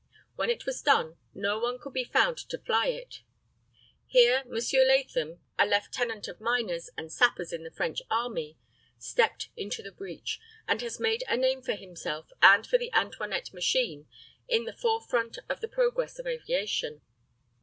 When it was done, no one could be found to fly it. Here M. Latham, a lieutenant of miners and sappers in the French army, stepped into the breach, and has made a name for himself and for the Antoinette machine in the forefront of the progress of aviation.